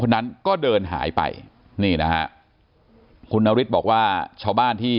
นั้นก็เดินหายไปนี่นะฮะคุณนฤทธิ์บอกว่าชาวบ้านที่